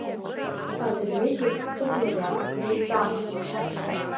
Адырҩегьых сыбла иаахгылеит амаҭ.